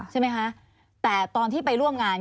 ใช่ไหมคะแต่ตอนที่ไปร่วมงาน